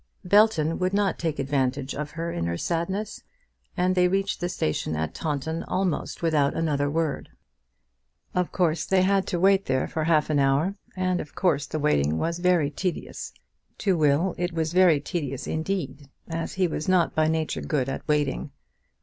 Belton would not take advantage of her in her sadness, and they reached the station at Taunton almost without another word. Of course they had to wait there for half an hour, and of course the waiting was very tedious. To Will it was very tedious indeed, as he was not by nature good at waiting.